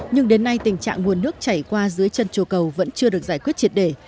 nhưng đến nay tình trạng nguồn nước chảy qua dưới chân chùa cầu vẫn chưa được giải quyết triệt để